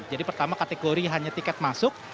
jadi pertama kategori hanya tiket masuk